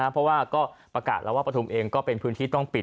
เพราะว่าก็ประกาศแล้วว่าปฐุมเองก็เป็นพื้นที่ต้องปิด